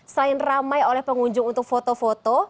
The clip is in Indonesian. selain ramai oleh pengunjung untuk foto foto